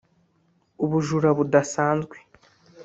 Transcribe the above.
ubujura budasanzwe